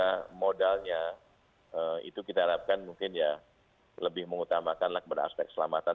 nah modalnya itu kita harapkan mungkin ya lebih mengutamakanlah beraspek keselamatan